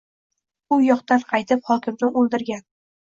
U yoqdan qaytib hokimni o‘ldirga